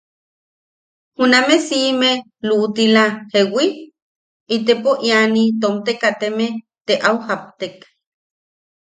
Juname siʼime luʼutila ¿jewi? Itepo iani, tomti kateme, te au japtek.